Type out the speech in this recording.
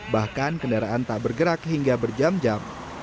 bahkan kendaraan tak bergerak hingga berjam jam